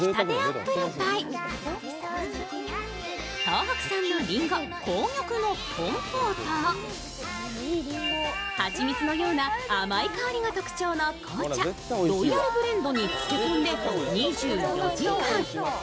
東北産のりんご、紅玉のコンポートを蜂蜜のような甘い香りが特徴の紅茶、ロイヤルブレンドにつけこんで２４時間。